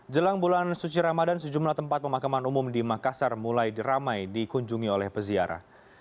jelang bulan suci ramadan sejumlah tempat pemakaman umum di makassar mulai diramai dikunjungi oleh peziarah